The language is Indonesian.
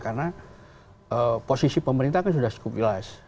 karena posisi pemerintah kan sudah cukup jelas